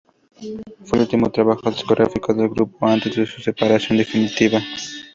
Fue el último trabajo discográfico del grupo antes de su separación definitiva.